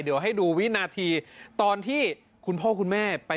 เดี๋ยวให้ดูวินาทีตอนที่คุณพ่อคุณแม่ไป